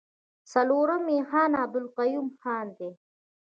څلورم يې خان عبدالقيوم خان دی.